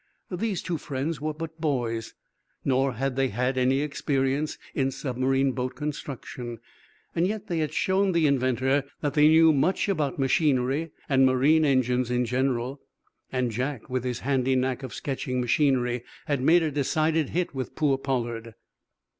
These two friends were but boys, nor had they had any experience in submarine boat construction. Yet they had shown the inventor that they knew much about machinery and marine engines in general, and Jack, with his handy knack of sketching machinery, had made a decided hit with poor Pollard.